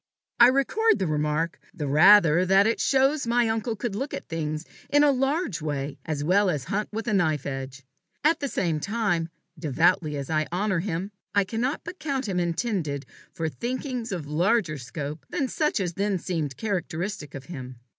I record the remark the rather that it shows my uncle could look at things in a large way as well as hunt with a knife edge. At the same time, devoutly as I honour him, I cannot but count him intended for thinkings of larger scope than such as then seemed characteristic of him.